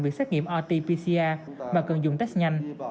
việc xét nghiệm rt pcr mà cần dùng test nhanh